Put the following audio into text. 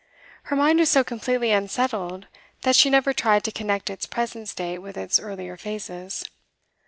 Her mind was so completely unsettled that she never tried to connect its present state with its earlier phases.